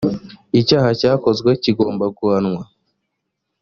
icyaha cyakozwe kigomba guhanwa.